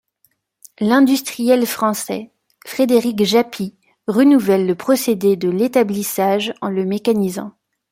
L'industriel français Frédéric Japy renouvelle le procédé de l'établissage en le mécanisant.